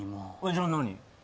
じゃあ何？